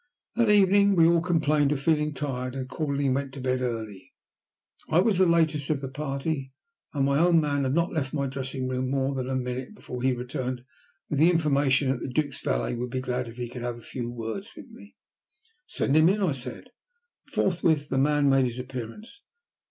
That evening we all complained of feeling tired, and accordingly went to bed early. I was the latest of the party, and my own man had not left my dressing room more than a minute before he returned with the information that the Duke's valet would be glad if he could have a few words with me. "Send him in," I said, and forthwith the man made his appearance.